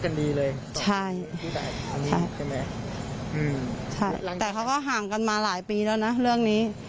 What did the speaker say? ใช่ไหมอืมใช่แต่เขาก็ห่างกันมาหลายปีแล้วนะเรื่องนี้